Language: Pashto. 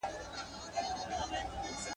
په نارو یو له دنیا له ګاونډیانو